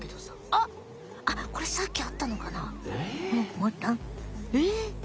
あっこれさっきあったのかな？え？